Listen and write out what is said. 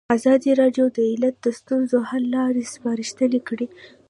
ازادي راډیو د عدالت د ستونزو حل لارې سپارښتنې کړي.